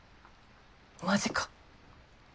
マジか。